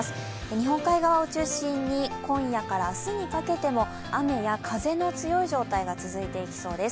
日本海側を中心に今夜から明日にかけても雨や風の強い状態が続いていきそうです。